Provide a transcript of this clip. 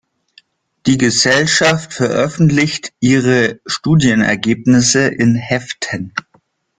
Die Gesellschaft veröffentlicht ihre Studienergebnisse in Heften.